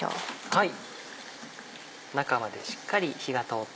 はい。